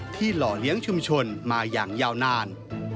หล่อเลี้ยงชุมชนมาอย่างยาวนาน